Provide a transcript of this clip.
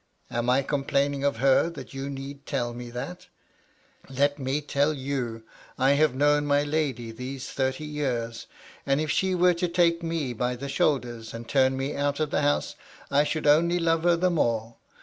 Am I complaining of her, that you need tell me that ? Let me tell you, I have known my lady these thirty 2.38 MY LADT LUDLOW. years ; and if she were to take me by the shoulden, and turn me out of the house, I should only love her the more.